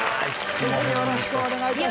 先生よろしくお願いいたします。